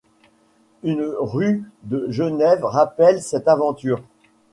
Une rue de Genève rappelle cette aventure.